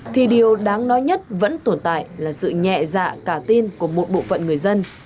thì điều đáng nói nhất vẫn tồn tại là sự nhẹ dạ cả tin của một bộ phận người dân